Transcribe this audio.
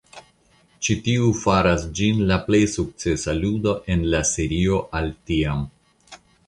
Ĉi tiu faras ĝin la plej sukcesa ludo en la serio al tiam.